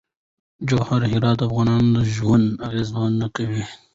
جواهرات د افغانانو ژوند اغېزمن کوي.